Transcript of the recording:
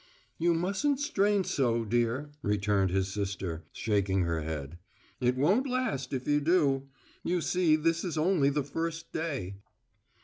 "You mustn't strain so, dear," returned his sister, shaking her head. "It won't last if you do. You see this is only the first day."